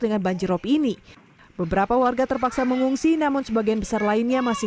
dengan banjirop ini beberapa warga terpaksa mengungsi namun sebagian besar lainnya masih